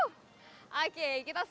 oke kita surfing